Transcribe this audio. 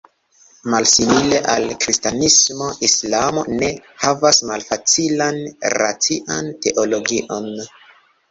Malsimile al kristanismo, islamo ne havas malfacilan racian teologion.